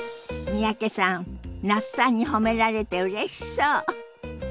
三宅さん那須さんに褒められてうれしそう。